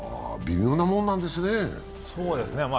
微妙なものなんですね。